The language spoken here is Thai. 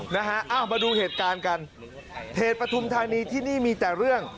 มาดูเหตุการณ์กันเพจปฐมธานีที่นี่มีแต่เรื่อง